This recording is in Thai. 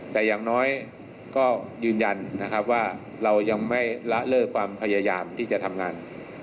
แต่อย่างน้อยก็ยืนยันนะครับว่าเรายังไม่ละเลิกความพยายามที่จะทำงาน